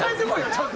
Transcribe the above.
ちゃんと。